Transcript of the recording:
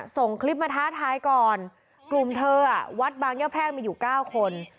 ส่งคลิปมาท้าทายก่อนกลุ่มเธอวัดบางย่าแพรกมีอยู่๙คน